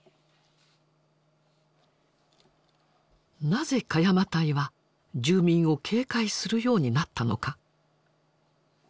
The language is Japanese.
なぜ鹿山隊は住民を警戒するようになったのか？